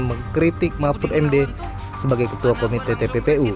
mengkritik mahfud md sebagai ketua komite tppu